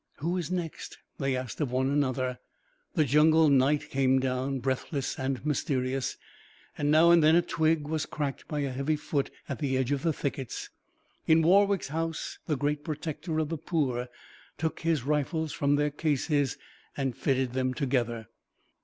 "Who is next?" they asked of one another. The jungle night came down, breathless and mysterious, and now and then a twig was cracked by a heavy foot at the edge of the thickets. In Warwick's house, the great Protector of the Poor took his rifles from their cases and fitted them together.